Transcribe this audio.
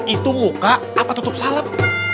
itu muka apa tutup salep